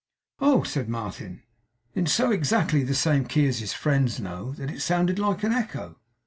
'Oh!' said Martin; in so exactly the same key as his friend's No, that it sounded like an echo.